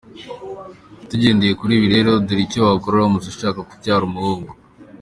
Tugendeye kuri ibi rero, dore icyo wakora uramutse ushaka kubyara umuhungu:.